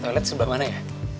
toilet sebelah mana ya